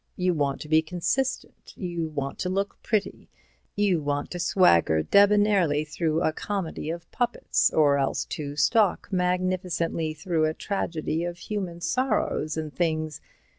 You want to be consistent, you want to look pretty, you want to swagger debonairly through a comedy of puppets or else to stalk magnificently through a tragedy of human sorrows and things.